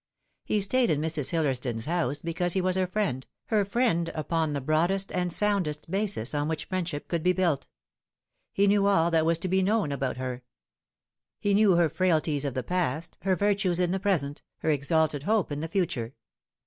He stayed in Mrs. Hillersdon's house because he was her friend, her friend upon the broadest and soundest basis on which friendship could be built. He knew all that was to be known about her. He knew her frailties of the past, her virtues in the present, her exalted hope in the future.